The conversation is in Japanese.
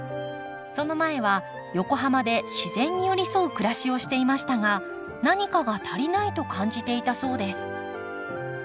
その前は横浜で自然に寄り添う暮らしをしていましたが何かが足りないと感じていたそうです。